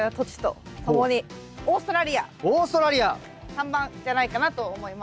３番じゃないかなと思います。